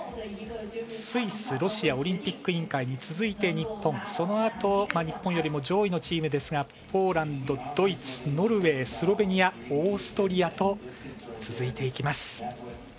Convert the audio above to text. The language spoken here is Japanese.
スイスロシアオリンピック委員会に続き日本、そのあと日本よりも上位のチームですがポーランド、ドイツ、ノルウェースロベニア、オーストリアと続いていきます。